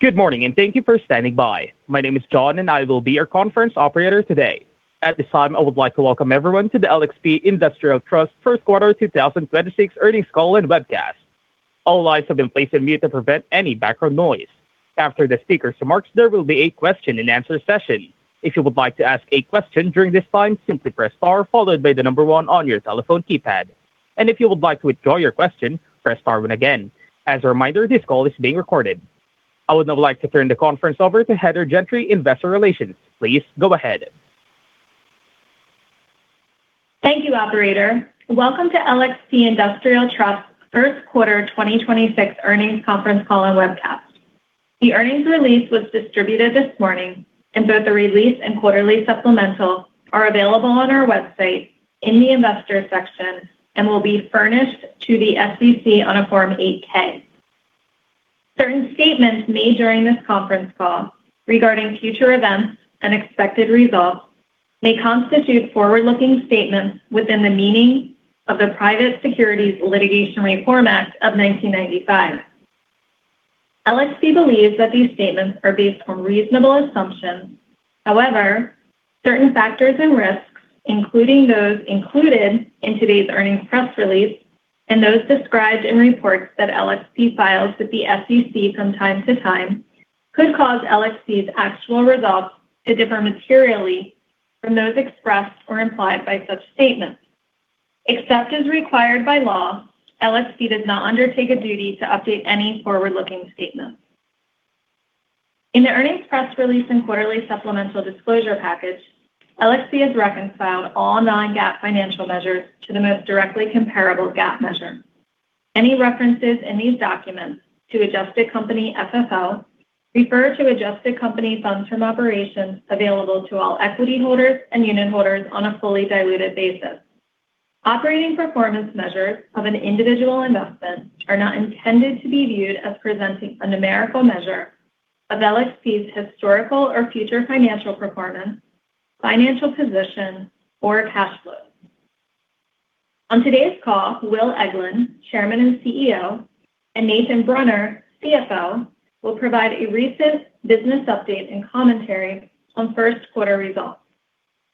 Good morning, and thank you for standing by. My name is John, and I will be your conference operator today. At this time, I would like to welcome everyone to the LXP Industrial Trust First Quarter 2026 Earnings Call and Webcast. All lines have been placed on mute to prevent any background noise. After the speakers' remarks, there will be a question-and-answer session. If you would like to ask a question during this time, simply press star followed by the number one on your telephone keypad. If you would like to withdraw your question, press star one again. As a reminder, this call is being recorded. I would now like to turn the conference over to Heather Gentry, Investor Relations. Please go ahead. Thank you, operator. Welcome to LXP Industrial Trust First Quarter 2026 Earnings Conference Call and Webcast. The earnings release was distributed this morning, and both the release and quarterly supplemental are available on our website in the Investors section and will be furnished to the SEC on a Form 8-K. Certain statements made during this conference call regarding future events and expected results may constitute forward-looking statements within the meaning of the Private Securities Litigation Reform Act of 1995. LXP believes that these statements are based on reasonable assumptions. However, certain factors and risks, including those included in today's earnings press release and those described in reports that LXP files with the SEC from time to time, could cause LXP's actual results to differ materially from those expressed or implied by such statements. Except as required by law, LXP does not undertake a duty to update any forward-looking statement. In the earnings press release and quarterly supplemental disclosure package, LXP has reconciled all non-GAAP financial measures to the most directly comparable GAAP measure. Any references in these documents to adjusted company FFO refer to adjusted company funds from operations available to all equity holders and unit holders on a fully diluted basis. Operating performance measures of an individual investment are not intended to be viewed as presenting a numerical measure of LXP's historical or future financial performance, financial position, or cash flow. On today's call, Will Eglin, Chairman and CEO, and Nathan Brunner, CFO, will provide a recent business update and commentary on first quarter results.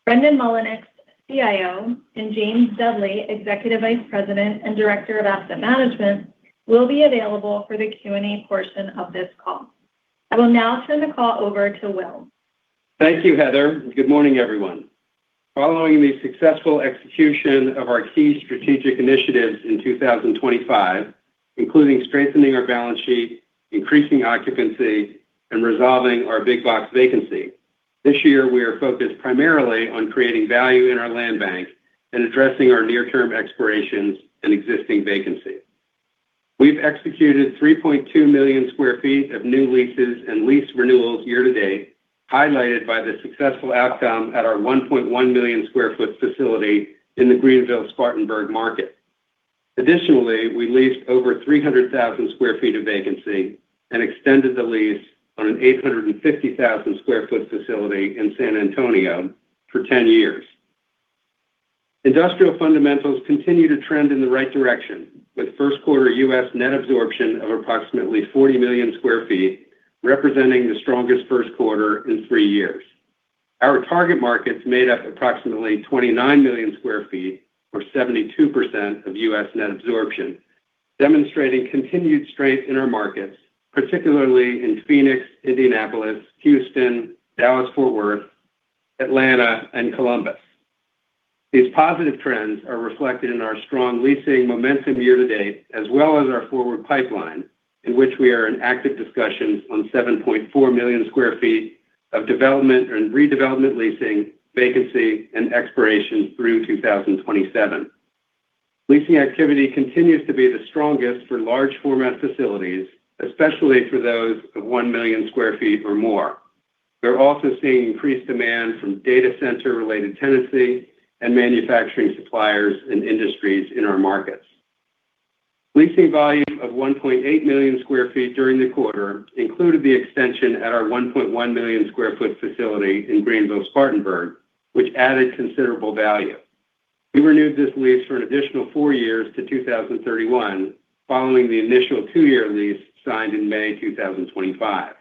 Brendan Mullinix, CIO, and James Dudley, Executive Vice President and Director of Asset Management, will be available for the Q&A portion of this call. I will now turn the call over to Will. Thank you, Heather. Good morning, everyone. Following the successful execution of our key strategic initiatives in 2025, including strengthening our balance sheet, increasing occupancy, and resolving our big box vacancy, this year we are focused primarily on creating value in our land bank and addressing our near-term expirations and existing vacancy. We've executed 3.2 million sq ft of new leases and lease renewals year to date, highlighted by the successful outcome at our 1.1 million sq ft facility in the Greenville Spartanburg market. Additionally, we leased over 300,000 sq ft of vacancy and extended the lease on an 850,000 sq ft facility in San Antonio for 10 years. Industrial fundamentals continue to trend in the right direction with first quarter U.S. net absorption of approximately 40 million sq ft, representing the strongest first quarter in 3 years. Our target markets made up approximately 29 million sq ft or 72% of U.S. net absorption, demonstrating continued strength in our markets, particularly in Phoenix, Indianapolis, Houston, Dallas-Fort Worth, Atlanta, and Columbus. These positive trends are reflected in our strong leasing momentum year to date as well as our forward pipeline, in which we are in active discussions on 7.4 million sq ft of development and redevelopment leasing, vacancy, and expiration through 2027. Leasing activity continues to be the strongest for large format facilities, especially for those of 1 million sq ft or more. We're also seeing increased demand from data center related tenancy and manufacturing suppliers and industries in our markets. Leasing volume of 1.8 million sq ft during the quarter included the extension at our 1.1 million sq ft facility in Greenville Spartanburg, which added considerable value. We renewed this lease for an additional 4 years to 2031 following the initial 2-year lease signed in May 2025.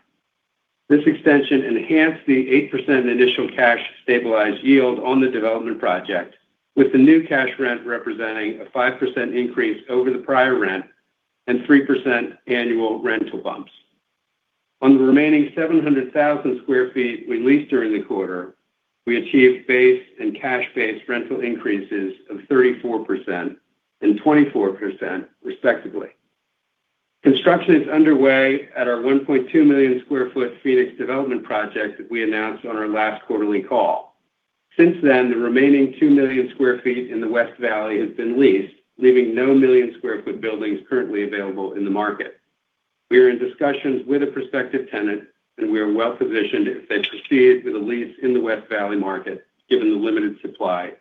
This extension enhanced the 8% initial cash stabilized yield on the development project, with the new cash rent representing a 5% increase over the prior rent and 3% annual rental bumps. On the remaining 700,000 square feet we leased during the quarter, we achieved base and cash base rental increases of 34% and 24%, respectively. Construction is underway at our 1.2 million square foot Phoenix development project that we announced on our last quarterly call. Since then, the remaining 2 million square feet in the West Valley has been leased, leaving no million square foot buildings currently available in the market. We are in discussions with a prospective tenant, and we are well-positioned if they proceed with a lease in the West Valley market, given the limited supply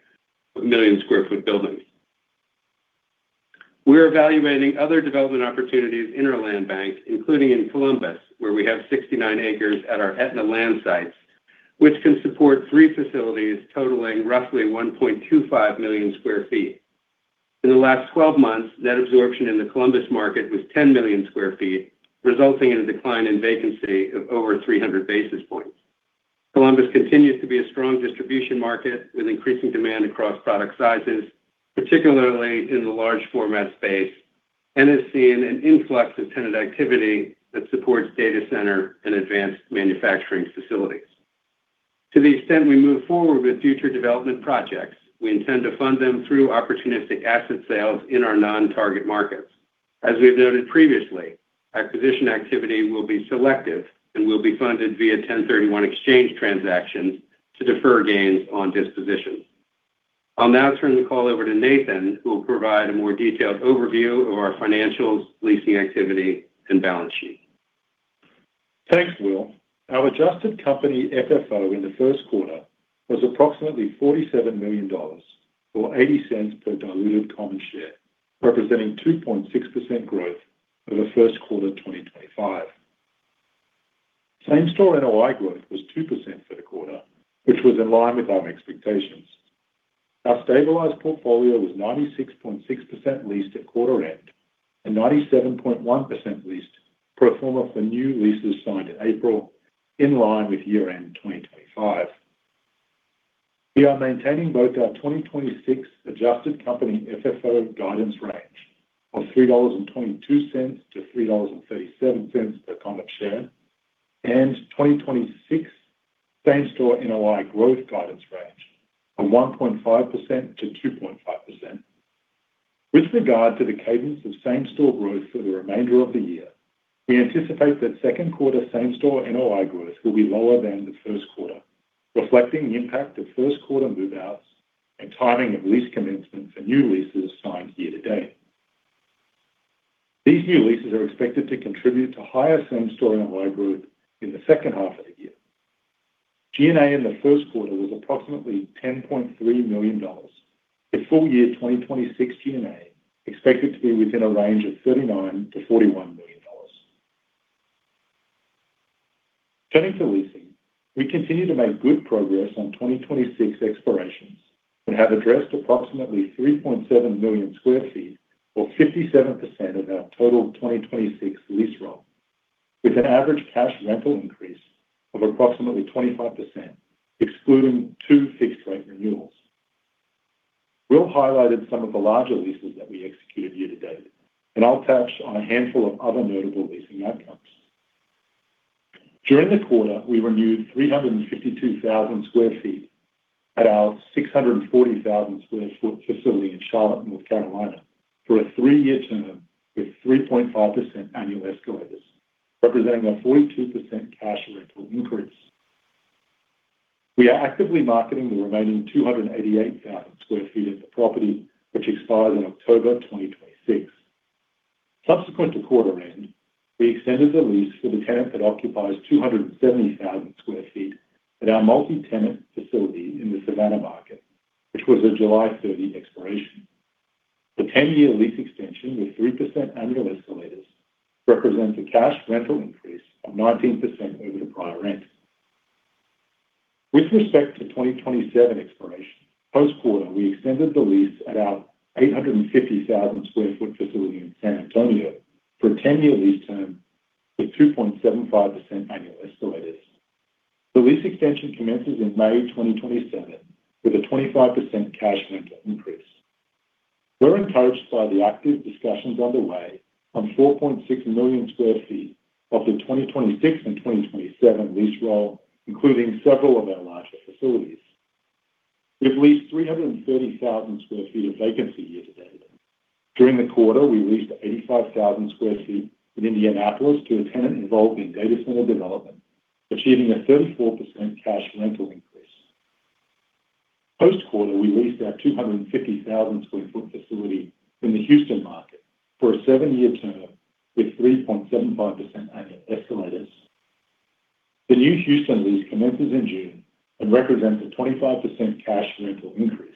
of million square foot buildings. We're evaluating other development opportunities in our land bank, including in Columbus, where we have 69 acres at our Etna land sites, which can support 3 facilities totaling roughly 1.25 million sq ft. In the last 12 months, net absorption in the Columbus market was 10 million sq ft, resulting in a decline in vacancy of over 300 basis points. Columbus continues to be a strong distribution market with increasing demand across product sizes, particularly in the large format space, and has seen an influx of tenant activity that supports data center and advanced manufacturing facilities. To the extent we move forward with future development projects, we intend to fund them through opportunistic asset sales in our non-target markets. As we have noted previously, acquisition activity will be selective and will be funded via 1031 exchange transactions to defer gains on dispositions. I'll now turn the call over to Nathan, who will provide a more detailed overview of our financials, leasing activity, and balance sheet. Thanks, Will. Our adjusted company FFO in the 1st quarter was approximately $47 million, or $0.80 per diluted common share, representing 2.6% growth over 1st quarter 2025. Same-store NOI growth was 2% for the quarter, which was in line with our expectations. Our stabilized portfolio was 96.6% leased at quarter end and 97.1% leased pro forma for new leases signed in April, in line with year-end 2025. We are maintaining both our 2026 adjusted company FFO guidance range of $3.22-$3.37 per common share and 2026 same-store NOI growth guidance range of 1.5%-2.5%. With regard to the cadence of Same-Store NOI growth for the remainder of the year, we anticipate that second quarter Same-Store NOI growth will be lower than the first quarter, reflecting the impact of first quarter move-outs and timing of lease commencement for new leases signed year to date. These new leases are expected to contribute to higher Same-Store NOI growth in the second half of the year. G&A in the first quarter was approximately $10.3 million. The full year 2026 G&A expected to be within a range of $39 million-$41 million. Turning to leasing, we continue to make good progress on 2026 expirations and have addressed approximately 3.7 million sq ft, or 57% of our total 2026 lease roll, with an average cash rental increase of approximately 25%, excluding two fixed rate renewals. Will highlighted some of the larger leases that we executed year to date, and I'll touch on a handful of other notable leasing outcomes. During the quarter, we renewed 352,000 sq ft at our 640,000 sq ft facility in Charlotte, North Carolina, for a 3-year term with 3.5% annual escalators, representing a 42% cash rental increase. We are actively marketing the remaining 288,000 sq ft at the property, which expires in October 2026. Subsequent to quarter end, we extended the lease for the tenant that occupies 270,000 sq ft at our multi-tenant facility in the Savannah market, which was a July 30 expiration. The 10-year lease extension with 3% annual escalators represents a cash rental increase of 19% over the prior rent. With respect to 2027 expirations, post-quarter, we extended the lease at our 850,000 sq ft facility in San Antonio for a 10-year lease term with 2.75% annual escalators. The lease extension commences in May 2027 with a 25% cash rental increase. We're encouraged by the active discussions underway on 4.6 million square feet of the 2026 and 2027 lease roll, including several of our larger facilities. We have leased 330,000 sq ft of vacancy year to date. During the quarter, we leased 85,000 sq ft in Indianapolis to a tenant involved in data center development, achieving a 34% cash rental increase. Post-quarter, we leased our 250,000 square foot facility in the Houston market for a 7-year term with 3.75% annual escalators. The new Houston lease commences in June and represents a 25% cash rental increase.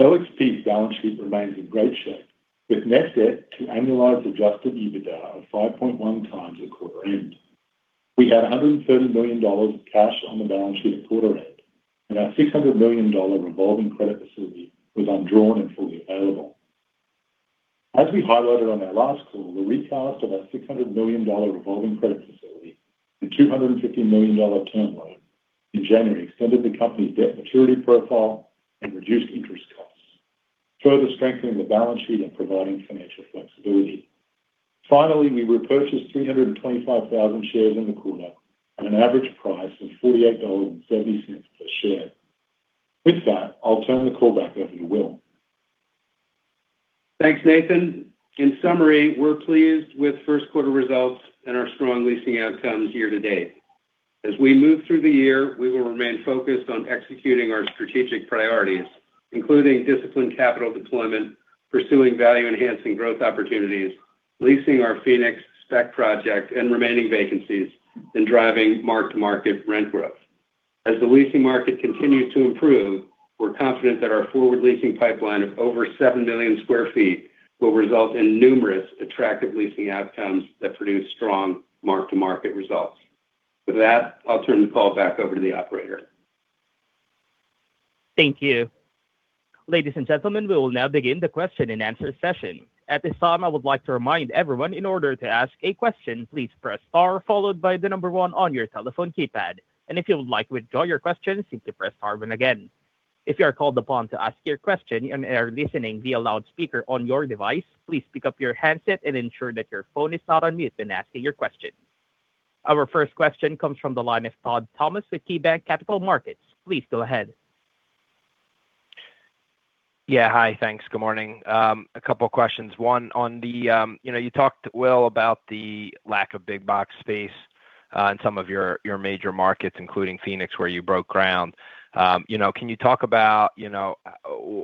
LXP's balance sheet remains in great shape, with net debt to annualized Adjusted EBITDA of 5.1 times at quarter end. We had $130 million of cash on the balance sheet at quarter end, and our $600 million revolving credit facility was undrawn and fully available. As we highlighted on our last call, the recast of our $600 million revolving credit facility and $250 million term loan in January extended the company's debt maturity profile and reduced interest costs, further strengthening the balance sheet and providing financial flexibility. Finally, we repurchased 325,000 shares in the quarter at an average price of $48.70 per share. With that, I'll turn the call back over to Will. Thanks, Nathan. In summary, we're pleased with first quarter results and our strong leasing outcomes year to-date. As we move through the year, we will remain focused on executing our strategic priorities, including disciplined capital deployment, pursuing value-enhancing growth opportunities, leasing our Phoenix spec project and remaining vacancies, and driving mark-to-market rent growth. As the leasing market continues to improve, we're confident that our forward leasing pipeline of over 7 million sq feet will result in numerous attractive leasing outcomes that produce strong mark-to-market results. With that, I'll turn the call back over to the operator. Thank you. Ladies and gentlemen, we will now begin the question and answer session. At this time, I would like to remind everyone in order to ask a question, please press star followed by one on your telephone keypad. If you would like to withdraw your question, simply press star one again. If you are called upon to ask your question and are listening via loudspeaker on your device, please pick up your handset and ensure that your phone is not on mute when asking your question. Our first question comes from the line of Todd Thomas with KeyBanc Capital Markets. Please go ahead. Yeah. Hi. Thanks. Good morning. A couple questions. One, on the... You know, you talked, Will, about the lack of big box space in some of your major markets, including Phoenix, where you broke ground. You know, can you talk about, you know,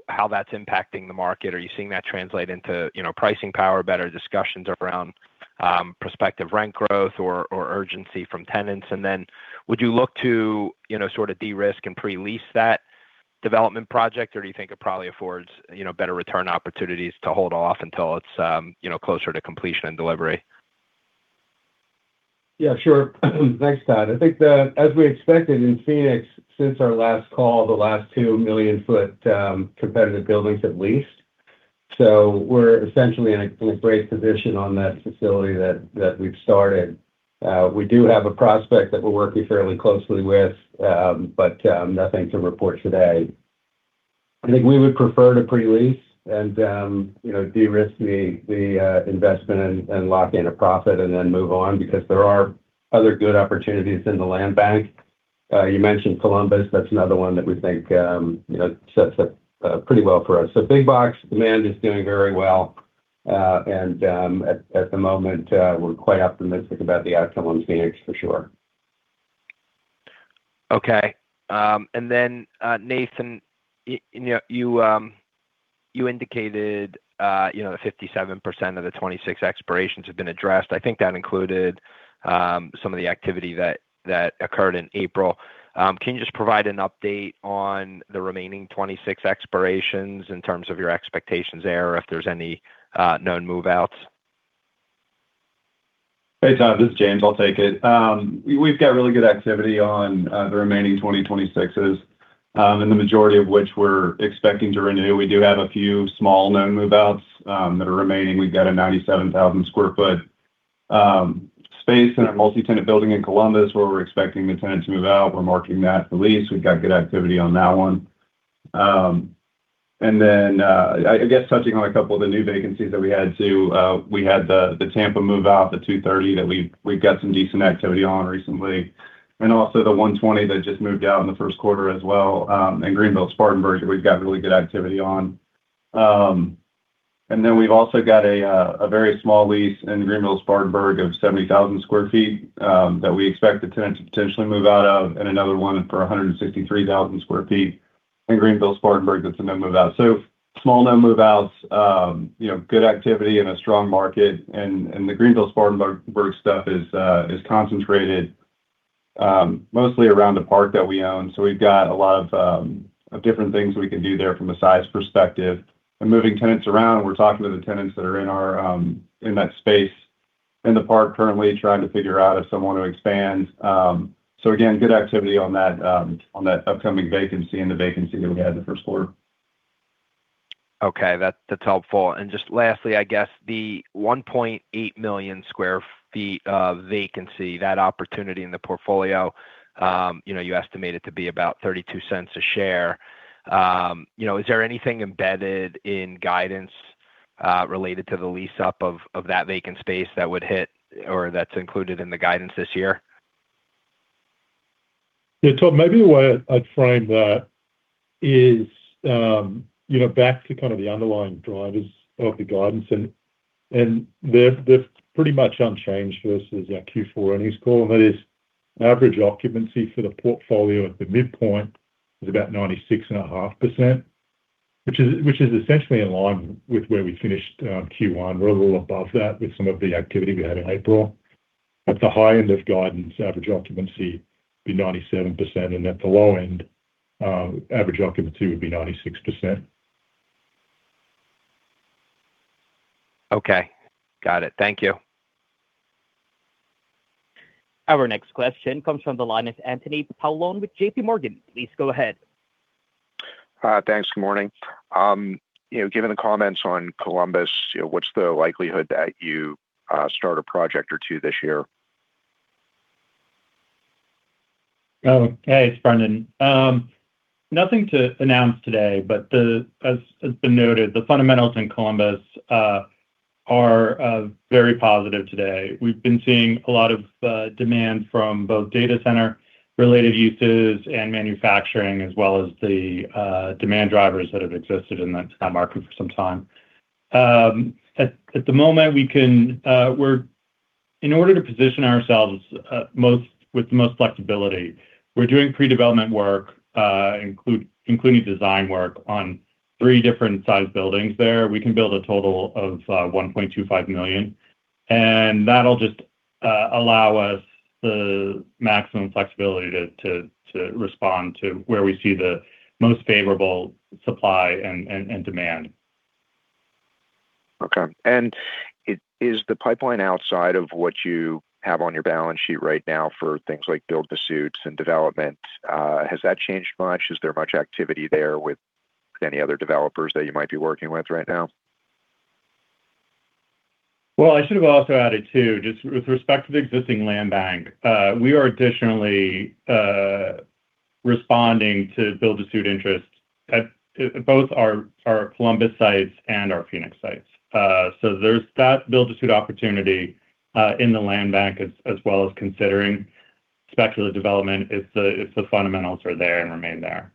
how that's impacting the market? Are you seeing that translate into, you know, pricing power, better discussions around prospective rent growth or urgency from tenants? Would you look to, you know, sort of de-risk and pre-lease that development project? Do you think it probably affords, you know, better return opportunities to hold off until it's, you know, closer to completion and delivery? Yeah, sure. Thanks, Todd. As we expected in Phoenix since our last call, the last 2 million foot competitive buildings have leased. We're essentially in a great position on that facility that we've started. We do have a prospect that we're working fairly closely with, but nothing to report today. I think we would prefer to pre-lease and, you know, de-risk the investment and lock in a profit and then move on, because there are other good opportunities in the land bank. You mentioned Columbus, that's another one that we think, you know, sets up pretty well for us. Big box demand is doing very well. And at the moment, we're quite optimistic about the outcomes in Phoenix for sure. Okay. Then, Nathan, you indicated, you know, 57% of the 26 expirations have been addressed. I think that included some of the activity that occurred in April. Can you just provide an update on the remaining 26 expirations in terms of your expectations there, or if there's any known move-outs? Hey, Todd, this is James, I'll take it. We've got really good activity on the remaining 2026s, and the majority of which we're expecting to renew. We do have a few small known move-outs that are remaining. We've got a 97,000 sq ft space in our multi-tenant building in Columbus where we're expecting the tenant to move out. We're marking that the lease. We've got good activity on that one. I guess touching on a couple of the new vacancies that we had too, we had the Tampa move out, the 230 that we've got some decent activity on recently. Also the 120 that just moved out in the first quarter as well, in Greenville Spartanburg, we've got really good activity on. We've also got a very small lease in Greenville Spartanburg of 70,000 sq ft that we expect the tenant to potentially move out of, and another one for 163,000 sq ft in Greenville Spartanburg that's a known move out. Small known move-outs, you know, good activity in a strong market. The Greenville Spartanburg stuff is concentrated mostly around a park that we own. We've got a lot of different things we can do there from a size perspective. Moving tenants around, we're talking to the tenants that are in our in that space in the park currently trying to figure out if some want to expand. Again, good activity on that, on that upcoming vacancy and the vacancy that we had in the first quarter. Okay. That's helpful. Just lastly, I guess the 1.8 million sq ft of vacancy, that opportunity in the portfolio, you know, you estimate it to be about $0.32 a share. You know, is there anything embedded in guidance, related to the lease up of that vacant space that would hit or that's included in the guidance this year? Todd, maybe the way I'd frame that is, you know, back to kind of the underlying drivers of the guidance and they're pretty much unchanged versus our Q4 earnings call, and that is average occupancy for the portfolio at the midpoint is about 96.5%, which is essentially in line with where we finished Q1. We're a little above that with some of the activity we had in April. At the high end of guidance, average occupancy would be 97%, and at the low end, average occupancy would be 96%. Okay. Got it. Thank you. Our next question comes from the line of Anthony Paolone with JPMorgan. Please go ahead. Thanks. Good morning. You know, given the comments on Columbus, you know, what's the likelihood that you start a project or 2 this year? Oh, hey, it's Brendan. Nothing to announce today, but as been noted, the fundamentals in Columbus are very positive today. We've been seeing a lot of demand from both data center related uses and manufacturing, as well as the demand drivers that have existed in that market for some time. At the moment, in order to position ourselves most, with the most flexibility, we're doing pre-development work, including design work on three different sized buildings there. We can build a total of $1.25 million, and that'll just allow us the maximum flexibility to respond to where we see the most favorable supply and demand. Okay. Is the pipeline outside of what you have on your balance sheet right now for things like build-to-suits and development, has that changed much? Is there much activity there with any other developers that you might be working with right now? I should have also added too, just with respect to the existing land bank, we are additionally responding to build-to-suit interest at both our Columbus sites and our Phoenix sites. There's that build-to-suit opportunity in the land bank as well as considering speculative development if the fundamentals are there and remain there.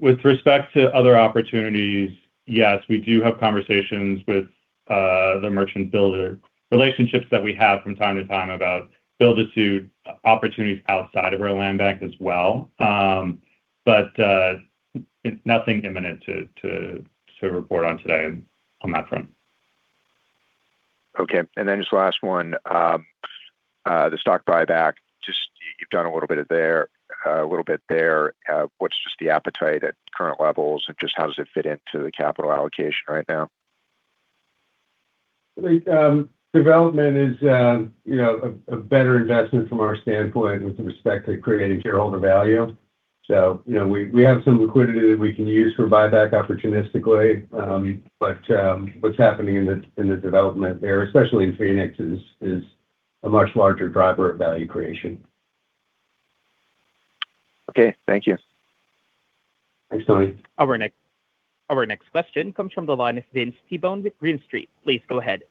With respect to other opportunities, yes, we do have conversations with the merchant builder relationships that we have from time to time about build-to-suit opportunities outside of our land bank as well. Nothing imminent to report on today on that front. Okay. Just last one. The stock buyback, just you've done a little bit of there, a little bit there. What's just the appetite at current levels, and just how does it fit into the capital allocation right now? The development is, you know, a better investment from our standpoint with respect to creating shareholder value. You know, we have some liquidity that we can use for buyback opportunistically. What's happening in the development there, especially in Phoenix, is a much larger driver of value creation. Okay. Thank you. Thanks, Tony. Our next question comes from the line of Vince Tibone with Green Street. Please go ahead.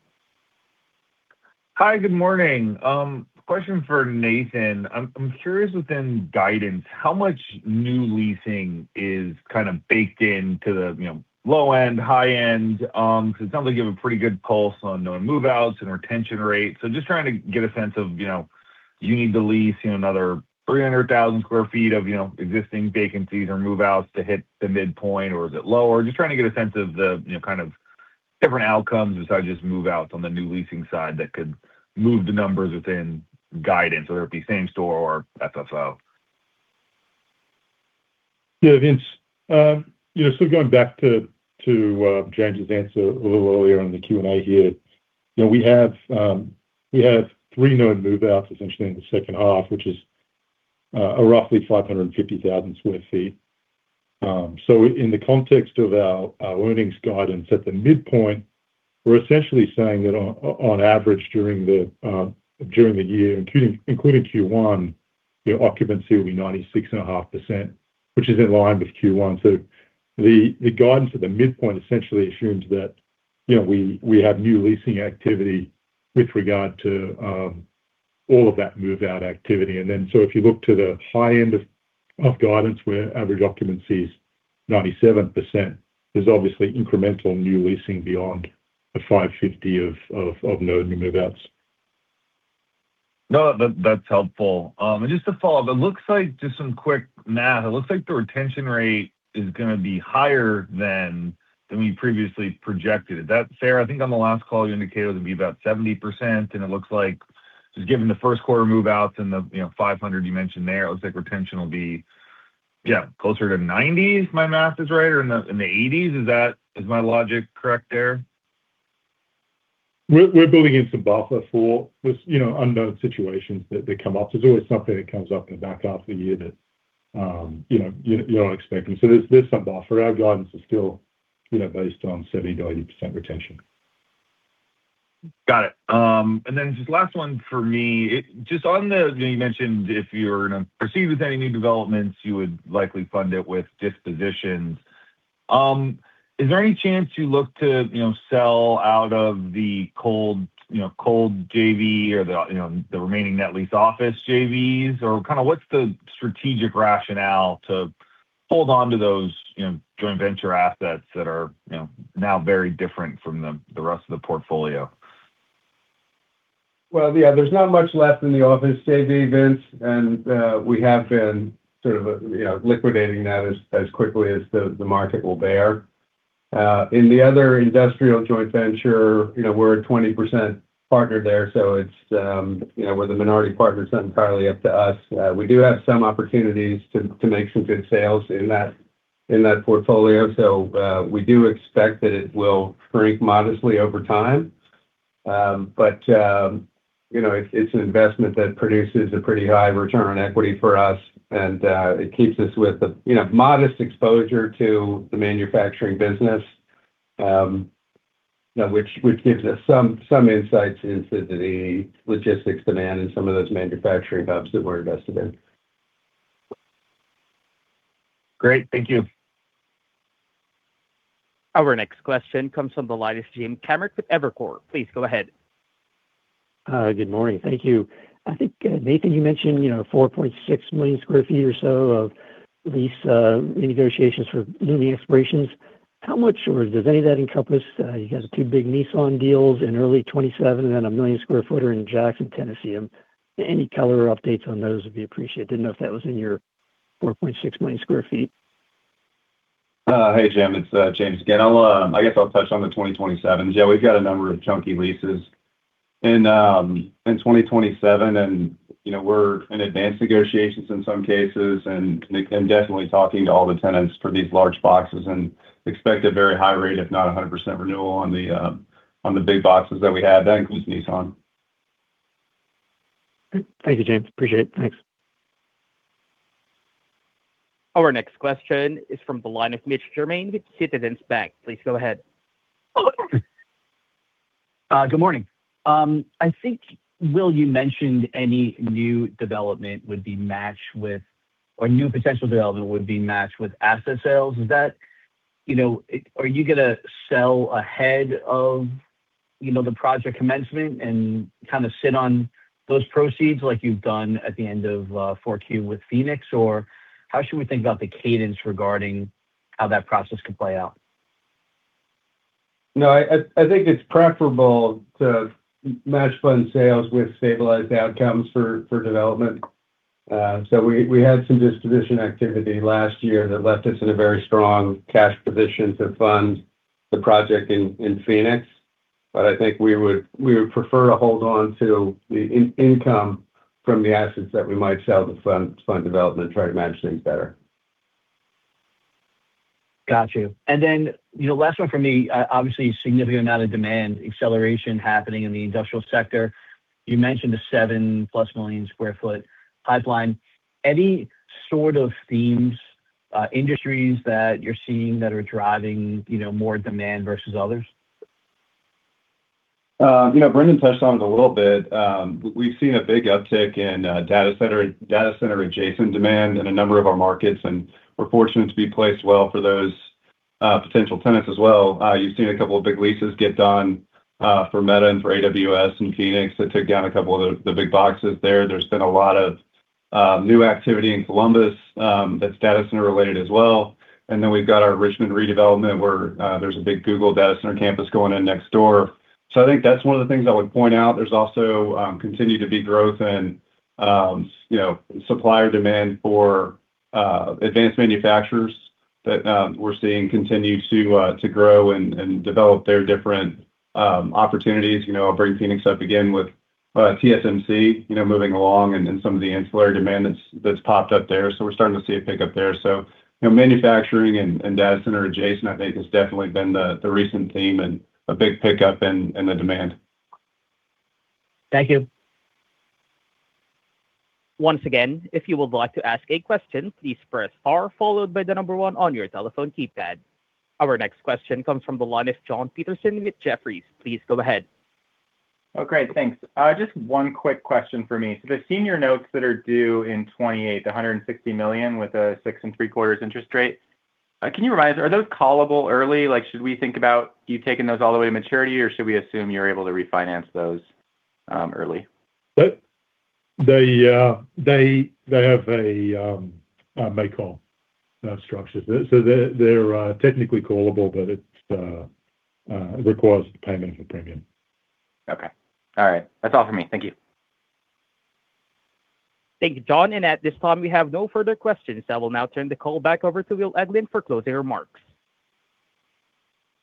Hi. Good morning. Question for Nathan. I'm curious within guidance, how much new leasing is kind of baked into the, you know, low end, high end? 'Cause it sounds like you have a pretty good pulse on known move-outs and retention rates. Just trying to get a sense of, you know, you need to lease, you know, another 300,000 sq ft of, you know, existing vacancies or move-outs to hit the midpoint, or is it lower? Just trying to get a sense of the, you know, kind of different outcomes besides just move-outs on the new leasing side that could move the numbers within guidance, whether it be Same-Store or FFO. Vince, you know, sort of going back to James' answer a little earlier in the Q&A here. You know, we have three known move-outs essentially in the second half, which is roughly 550,000 sq ft. In the context of our earnings guidance at the midpoint, we're essentially saying that on average during the year, including Q1, the occupancy will be 96.5%, which is in line with Q1. The guidance at the midpoint essentially assumes that, you know, we have new leasing activity with regard to all of that move-out activity. If you look to the high end of guidance where average occupancy is 97%, there's obviously incremental new leasing beyond the 550 of known new move-outs. No, that's helpful. Just to follow up, it looks like just some quick math. It looks like the retention rate is gonna be higher than we previously projected. Is that fair? I think on the last call, you indicated it would be about 70%, and it looks like just given the first quarter move-outs and the, you know, 500 you mentioned there, it looks like retention will be, yeah, closer to 90s if my math is right, or in the 80s. Is that? Is my logic correct there? We're building in some buffer for this, you know, unknown situations that come up. There's always something that comes up in the back half of the year that, you know, you're not expecting. There's some buffer. Our guidance is still, you know, based on 70%-80% retention. Got it. Just last one for me. Just on the, you know, you mentioned if you're gonna proceed with any new developments, you would likely fund it with dispositions. Is there any chance you look to, you know, sell out of the cold, you know, cold JV or the, you know, the remaining net lease office JVs? Kind of what's the strategic rationale to hold onto those, you know, joint venture assets that are, you know, now very different from the rest of the portfolio? Well, yeah, there's not much left in the office JV, Vince. We have been sort of, you know, liquidating that as quickly as the market will bear. In the other industrial joint venture, you know, we're a 20% partner there, so it's, you know, we're the minority partner. It's not entirely up to us. We do have some opportunities to make some good sales in that portfolio. We do expect that it will shrink modestly over time. It's an investment that produces a pretty high return on equity for us and, it keeps us with a, you know, modest exposure to the manufacturing business, you know, which gives us some insights into the logistics demand in some of those manufacturing hubs that we're invested in. Great. Thank you. Our next question comes from the line of Jim Kammert with Evercore. Please go ahead. Good morning. Thank you. I think, Nathan, you mentioned, you know, 4.6 million sq ft or so of lease renegotiations for new lease expirations. How much or does any of that encompass, you got the two big Nissan deals in early 2027 and 1 million sq ft in Jackson, Tennessee? Any color or updates on those would be appreciated. Didn't know if that was in your 4.6 million sq ft. Hey, Jim, it's James again. I'll I guess I'll touch on the 2027s. Yeah, we've got a number of chunky leases. In 2027, you know, we're in advanced negotiations in some cases, and definitely talking to all the tenants for these large boxes and expect a very high rate if not 100% renewal on the big boxes that we have. That includes Nissan. Thank you, James. Appreciate it. Thanks. Our next question is from the line of Mitch Germain with Citizens Bank. Please go ahead. Good morning. I think Will, you mentioned any new development, or new potential development would be matched with asset sales. Is that, you know, are you gonna sell ahead of, you know, the project commencement and kind of sit on those proceeds like you've done at the end of 4Q with Phoenix? Or how should we think about the cadence regarding how that process could play out? No, I think it's preferable to match fund sales with stabilized outcomes for development. We had some disposition activity last year that left us in a very strong cash position to fund the project in Phoenix. I think we would prefer to hold on to the income from the assets that we might sell to fund development and try to match things better. Got you. You know, last one from me, obviously a significant amount of demand acceleration happening in the industrial sector. You mentioned a 7+ million sq ft pipeline. Any sort of themes, industries that you're seeing that are driving, you know, more demand versus others? You know, Brendan touched on it a little bit. We've seen a big uptick in data center, data center adjacent demand in a number of our markets, and we're fortunate to be placed well for those potential tenants as well. You've seen a couple of big leases get done for Meta and for AWS in Phoenix. That took down a couple of the big boxes there. There's been a lot of new activity in Columbus, that's data center related as well. We've got our Richmond redevelopment where there's a big Google data center campus going in next door. I think that's one of the things I would point out. There's also, continue to be growth in, you know, supplier demand for advanced manufacturers that we're seeing continue to grow and develop their different opportunities. You know, I'll bring Phoenix up again with TSMC, you know, moving along and some of the ancillary demand that's popped up there. We're starting to see a pickup there. You know, manufacturing and data center adjacent I think has definitely been the recent theme and a big pickup in the demand. Thank you. Once again, if you would like to ask a question, please press star followed by the one on your telephone keypad. Our next question comes from the line of Jon Peterson with Jefferies. Please go ahead. Oh, great. Thanks. Just one quick question for me. The senior notes that are due in 2028, $160 million with a 6.75% interest rate, can you remind us, are those callable early? Like, should we think about you taking those all the way to maturity, or should we assume you're able to refinance those early? They have a make whole structure. They're technically callable, but it requires the payment of a premium. Okay. All right. That's all for me. Thank you. Thank you, Jon. At this time, we have no further questions. I will now turn the call back over to Will Eglin for closing remarks.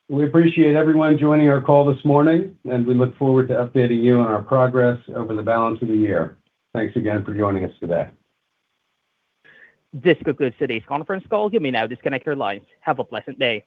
We appreciate everyone joining our call this morning. We look forward to updating you on our progress over the balance of the year. Thanks again for joining us today. This concludes today's conference call. You may now disconnect your lines. Have a pleasant day.